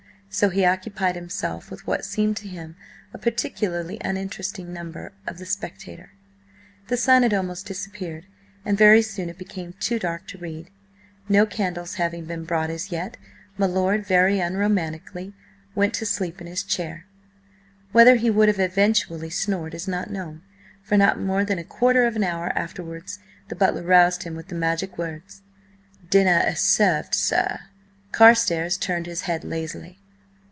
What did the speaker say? So he occupied himself with what seemed to him a particularly uninteresting number of the Spectator. The sun had almost disappeared, and very soon it became too dark to read; no candles having been brought as yet, my lord, very unromantically, went to sleep in his chair. Whether he would have eventually snored is not known, for not more than a quarter of an hour afterwards the butler roused him with the magic words: "Dinner is served, sir." Carstares turned his head lazily.